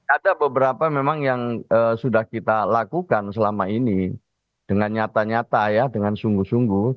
ada beberapa memang yang sudah kita lakukan selama ini dengan nyata nyata ya dengan sungguh sungguh